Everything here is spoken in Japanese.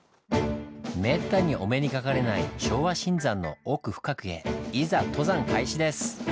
めったにお目にかかれない昭和新山の奥深くへいざ登山開始です！